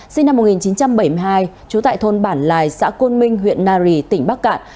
sinh năm một nghìn chín trăm bảy mươi hai trú tại thôn bản lài xã côn minh huyện nari tỉnh bắc cạn